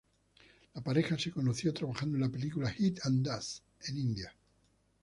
La pareja se conoció trabajando en al película "Heat and Dust" en India.